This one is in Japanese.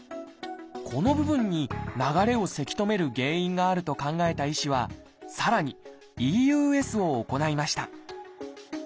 この部分に流れをせき止める原因があると考えた医師はさらに「ＥＵＳ」を行いました。